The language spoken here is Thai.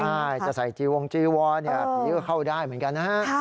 ใช่จะใส่จิวองจิวอนนี่เข้าได้เหมือนกัน